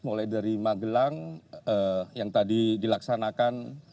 mulai dari magelang yang tadi dilaksanakan